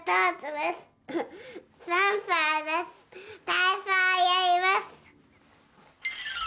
たいそうやります。